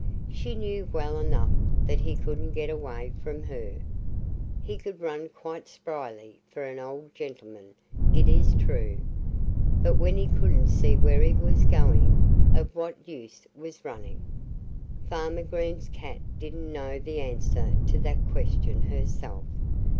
She knew well enough that he couldn't get away from her. He could run quite spryly for an old gentleman it is true. But when he couldn't see where he was going, of what use was running? Farmer Green's cat didn't know the answer to that question herself.